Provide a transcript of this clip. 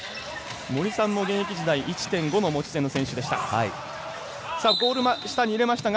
森さんも現役時代１．５の持ち点の選手でした。